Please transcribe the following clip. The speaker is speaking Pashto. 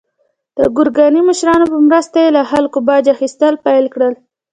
د ګوراني مشرانو په مرسته یې له خلکو باج اخیستل پیل کړل.